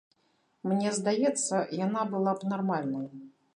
Мне здаецца, яна б была нармальнай.